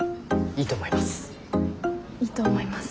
いいと思います。